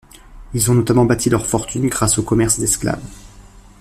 Ils ont notamment bâti leur fortune grâce au commerce d'esclave.